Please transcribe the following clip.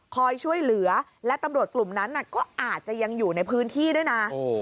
คอยช่วยเหลือและตำรวจกลุ่มนั้นก็อาจจะยังอยู่ในพื้นที่ด้วยนะ